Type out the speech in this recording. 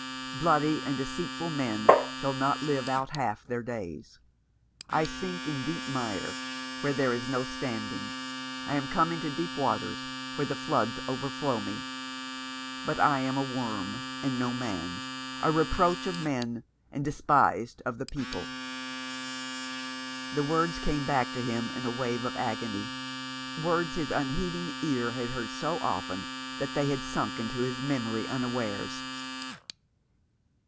Bloody and deceit ful men shall not live out half their days. I sink in deep mire, where there is no standing ; I am come into deep waters, where the floods overflow me." " But I am a worm, and no man ; a reproach of men, and despised of the people." The words came back to him in a wave of agony, words his unheeding ear had heard so often that they had sunk into his memory unawares.